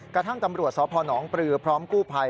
กระทั่งตำรวจสพนปรือพร้อมกู้ภัย